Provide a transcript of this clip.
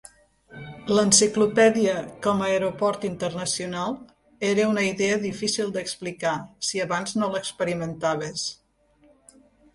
L'enciclopèdia com a aeroport internacional era una idea difícil d'explicar, si abans no l'experimentaves.